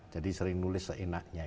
jadi sering nulis seenaknya